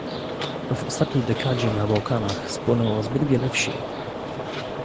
W ostatniej dekadzie na Bałkanach spłonęło zbyt wiele wsi